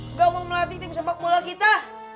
nggak mau melatih tim sepak bola kita